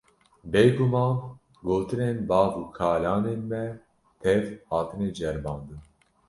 Bêguman gotinên bav û kalanên me tev hatine ceribandin.